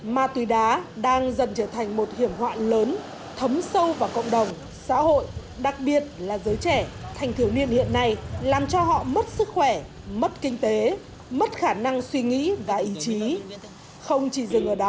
ma túy đá đang dần trở thành một hiểm họa lớn thấm sâu vào cộng đồng xã hội đặc biệt là giới trẻ thanh thiếu niên hiện nay làm cho họ mất sức khỏe mất kinh tế mất khả năng suy nghĩ và ý chí